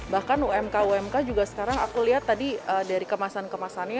bahkan umk umk juga sekarang aku lihat tadi dari kemasan kemasannya